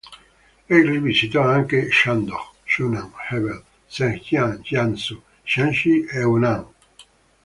Egli visitò anche Shandong, Yunnan, Hebei, Zhejiang, Jiangsu, Jiangxi e Hunan.